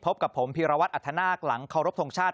พบกับผมพีรวัตรอัธนาคหลังเคารพทงชาติ